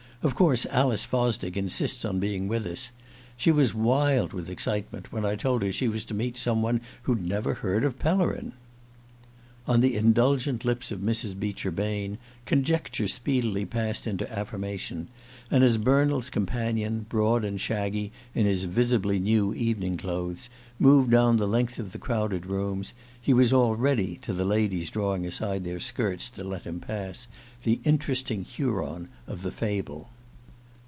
Of course Alice Fosdick insists on being with us. She was wild with excitement when I told her she was to meet some one who'd never heard of Pellerin!" On the indulgent lips of Mrs. Beecher Bain conjecture speedily passed into affirmation; and as Bernald's companion, broad and shaggy in his visibly new evening clothes, moved down the length of the crowded rooms, he was already, to the ladies drawing aside their skirts to let him pass, the interesting Huron of the fable.